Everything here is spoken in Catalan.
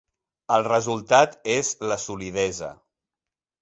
El resultat és la solidesa.